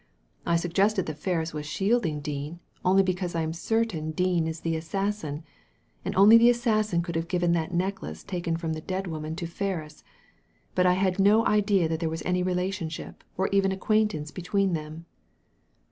I suggested that Ferris was shielding Dean, only because I am certain Dean is the assassin ; and only the assassin could have given that necklace taken from the dead woman to Ferris, but I had no idea that there was any relationship or even acquaintance between them."